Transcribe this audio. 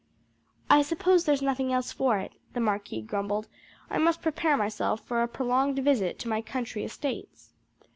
"I suppose there's nothing else for it," the marquis grumbled. "I must prepare myself for a prolonged visit to my country estates."